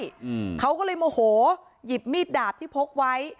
อืมเขาก็เลยโมโหหยิบมีดดาบที่พกไว้